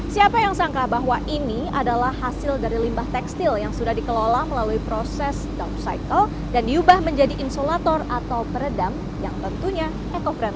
siapa yang sangka bahwa ini adalah hasil dari limbah tekstil yang sudah dikelola melalui proses down cycle dan diubah menjadi insolator atau peredam yang tentunya eco friend